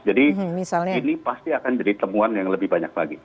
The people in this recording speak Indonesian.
jadi ini pasti akan jadi temuan yang lebih banyak lagi